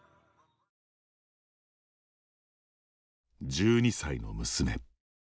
１２歳の娘。